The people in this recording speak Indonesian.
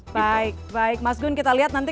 baik baik mas gun kita lihat nanti